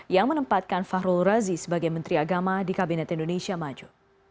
yang menempatkan fahrul razi sebagai menteri agama di kabinet indonesia maju